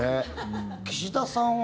岸田さんは。